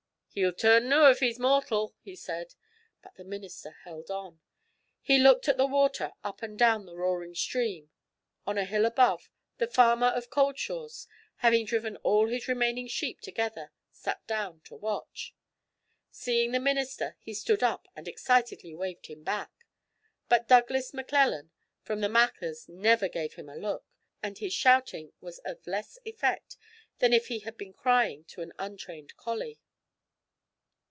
'He'll turn noo if he's mortal,' he said. But the minister held on. He looked at the water up and down the roaring stream. On a hill above, the farmer of Cauldshaws, having driven all his remaining sheep together, sat down to watch. Seeing the minister, he stood up and excitedly waved him back. But Douglas Maclellan from the Machars never gave him a look, and his shouting was of less effect than if he had been crying to an untrained collie.